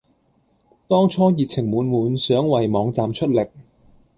當初熱情滿滿想為網站出力